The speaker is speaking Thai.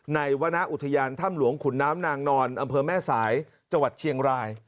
วรรณอุทยานถ้ำหลวงขุนน้ำนางนอนอำเภอแม่สายจังหวัดเชียงราย